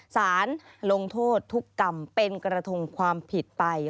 สารลงโทษทุกกรรมเป็นกระทงความผิดไป